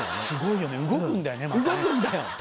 すごいよね動くんだよねまたね。